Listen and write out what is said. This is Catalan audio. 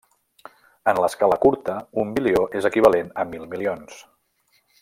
En l'escala curta, un bilió és equivalent a mil milions.